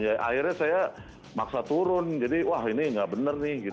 ya akhirnya saya maksa turun jadi wah ini enggak benar nih gitu